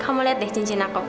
kamu lihat deh cincin aku